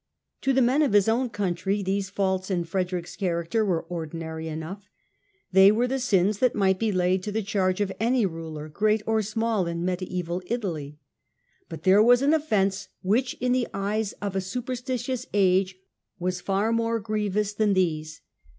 To the men of his own country these faults in Fre derick's character were ordinary enough : they were the sins that might be laid to the charge of any ruler, great or small, in Mediaeval Italy. But there was an offence which, in the eyes of a superstitious age, was far more grievous than these.